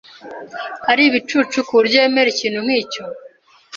Ari ibicucu kuburyo yemera ikintu nkicyo?